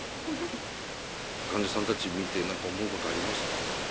患者さんたち見て何か思うことありますか？